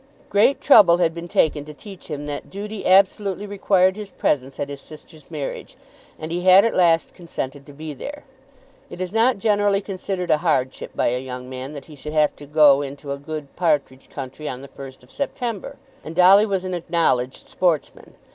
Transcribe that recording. Great trouble had been taken to teach him that duty absolutely required his presence at his sister's marriage, and he had at last consented to be there. It is not generally considered a hardship by a young man that he should have to go into a good partridge country on the 1st of September, and Dolly was an acknowledged sportsman.